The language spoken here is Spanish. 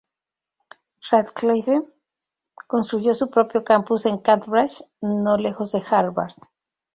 Radcliffe construyó su propio campus en Cambridge, no lejos de Harvard.